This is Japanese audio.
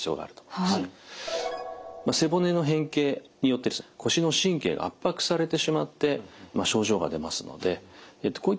背骨の変形によって腰の神経が圧迫されてしまって症状が出ますのでこういった場合にもですね